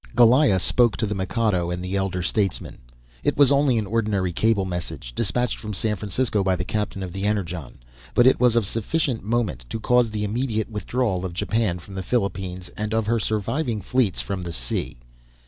Goliah spoke to the Mikado and the Elder Statesmen. It was only an ordinary cable message, despatched from San Francisco by the captain of the Energon, but it was of sufficient moment to cause the immediate withdrawal of Japan from the Philippines and of her surviving fleets from the sea.